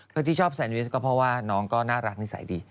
แล้วที่ชอบแซนวิสก็เพราะว่าน้องก็น่ารักนิสัยดี